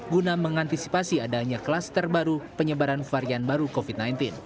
guna mengantisipasi adanya kluster baru penyebaran varian baru covid sembilan belas